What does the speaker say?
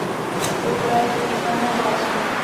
Kultura je významné bohatství.